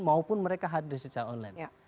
maupun mereka hadir secara online